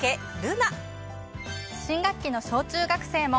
新学期の小・中学生も。